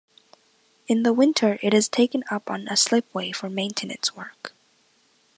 In the winter it is taken up on a slipway for maintenance work.